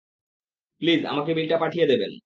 Please, আমাকে বিলটা পাঠিয়ে দেবেন!